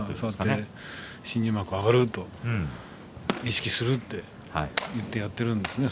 新入幕へ上がると意識するって言ってやってるんですね。